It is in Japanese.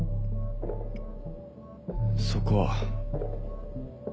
そこは。